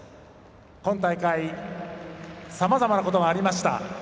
今大会さまざまなことがありました。